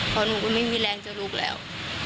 เพราะหนูก็ไม่มีแรงจะลุกแล้ว